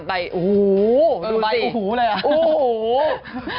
ใบอูหูดูสิใบอูหูเลยอะอูหู